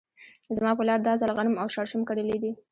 زما پلار دا ځل غنم او شړشم کرلي دي .